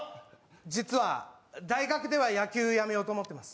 実は大学では野球やめようと思ってます。